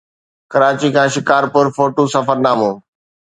ڪراچي کان شڪارپور فوٽو سفرنامو